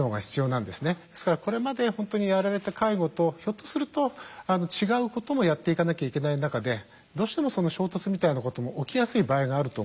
ですからこれまで本当にやられた介護とひょっとすると違うこともやっていかなきゃいけない中でどうしても衝突みたいなことも起きやすい場合があると思っています。